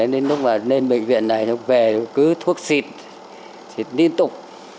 nên lúc mà lên bệnh viện này lúc về cứ thuốc xịt xịt liên tục